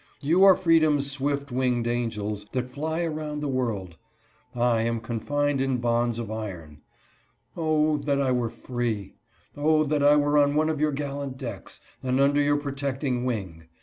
You are freedom's swift winged angels, that fly around the world ; I am confined in bonds of iron. 0, that 1 were free! 0, that I were on one of your gallant decks, and under your protecting wing !